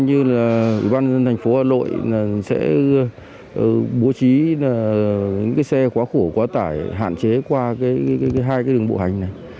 như là ủy ban thành phố hà nội sẽ bố trí những cái xe quá khổ quá tải hạn chế qua hai cái đường bộ hành này